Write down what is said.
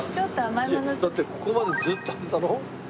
だってここまでずっとあれだろ？